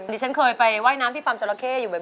ดิฉันเคยไปว่ายน้ำที่ปั๊มจราเข้อยู่บ่อย